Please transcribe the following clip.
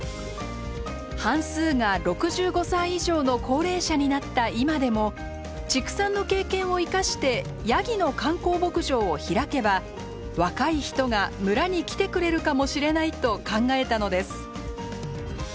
半数が６５歳以上の高齢者になった今でも畜産の経験を生かしてヤギの観光牧場を開けば若い人が村に来てくれるかもしれないと考えたのです。